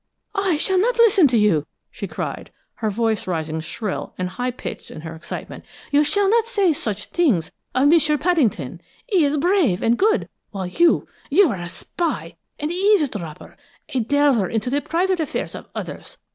"I shall not listen to you!" she cried, her voice rising shrill and high pitched in her excitement. "You shall not say such things of M'sieu Paddington! He is brave and good, while you you are a spy, an eavesdropper, a delver into the private affairs of others.